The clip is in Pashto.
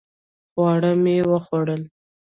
خواړه مې وخوړل